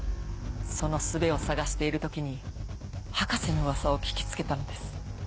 その術を探している時に博士の噂を聞き付けたのです。